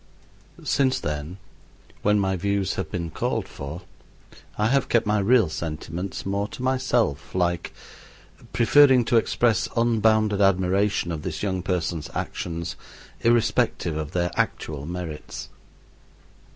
Since then, when my views have been called for I have kept my real sentiments more to myself like, preferring to express unbounded admiration of this young person's actions, irrespective of their actual merits.